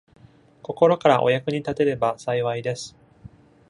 心からお役に立てれば幸いです。